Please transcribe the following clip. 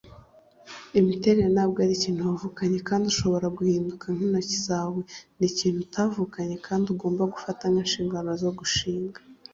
imiterere ntabwo ari ikintu wavukanye kandi udashobora guhinduka, nk'intoki zawe. ni ikintu utavukanye kandi ugomba gufata inshingano zo gushinga